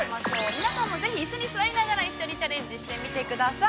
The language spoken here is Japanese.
皆さんもぜひ椅子に座りながら一緒にチャレンジしてみてください。